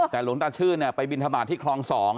แต่หลวงตาชื่นไปบินทบาทที่คลอง๒